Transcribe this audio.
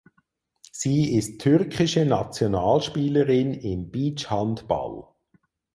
Sie ist türkische Nationalspielerin im Beachhandball.